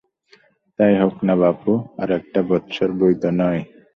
তা হোক-না বাপু, আর-একটা বৎসর বৈ তো নয়।